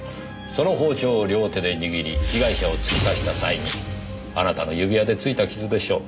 その包丁を両手で握り被害者を突き刺した際にあなたの指輪でついた傷でしょう。